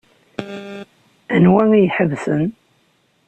Anwa i iḥebsen?